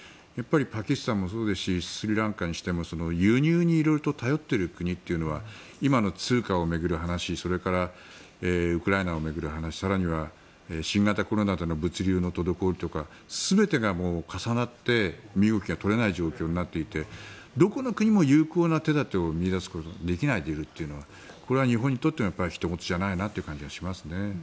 パキスタンもそうですしスリランカにしても輸入に色々と頼っている国というのは今の通貨を巡る話それからウクライナを巡る話更には新型コロナの物流の滞りとか全てが重なって身動きが取れない状況になっていてどこの国も有効な手立てを見いだすことができないでいるというのはこれは日本にとってひと事じゃないなという気がしますね。